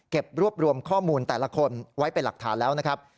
รวบรวมข้อมูลแต่ละคนไว้เป็นหลักฐานแล้วนะครับ